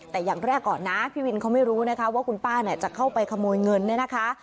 แต่อย่างแรกก่อนนะพี่วินเขาไม่รู้นะคะว่าคุณป้าเนี่ยจะเข้าไปขโมยเงินเนี่ยนะคะ